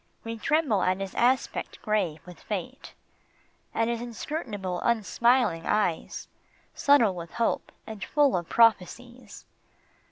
We tremble at his aspect grave with fate, At his inscrutable, unsmiling eyes, Subtle with hope and full of prophecies.